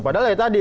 padahal dari tadi